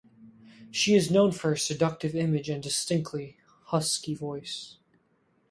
She is known for her seductive image and distinctively husky voice.